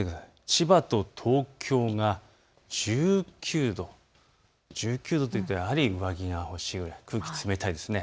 千葉と東京が１９度、１９度というとやはり上着が欲しいくらい、空気が冷たいですね。